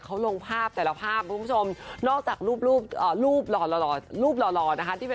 เขาลงภาพแต่ละภาพคุณผู้ชม